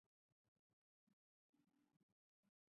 施坦贝格湖畔贝恩里特是德国巴伐利亚州的一个市镇。